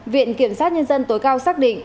viện kiểm soát nhân dân tối cao xác định